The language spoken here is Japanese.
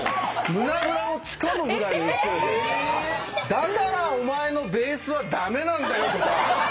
だからお前のベースは駄目なんだよとか。